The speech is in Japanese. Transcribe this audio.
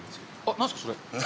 何ですか、それ。